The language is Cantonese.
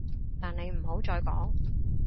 但你唔好再講